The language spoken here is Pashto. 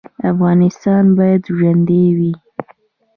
افغانستان باید ژوندی وي